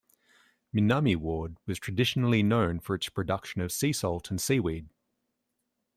Minami Ward was traditionally known for its production of sea salt and seaweed.